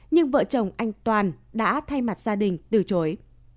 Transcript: nhưng vợ chồng anh toàn đã thay mặt gia đình từ chối